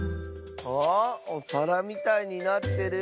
あおさらみたいになってる？